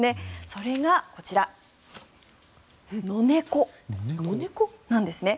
それがこちらノネコなんですね。